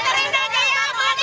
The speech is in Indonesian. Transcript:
master indo jaya abadi